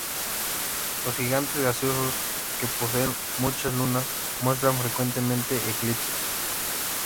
Los gigantes gaseosos, que poseen muchas lunas, muestran frecuentemente eclipses.